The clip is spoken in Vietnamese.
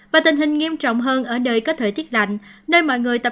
và tình hình nghiêm trọng hơn ở nơi có thời tiết lạnh nơi mọi người tăng hơn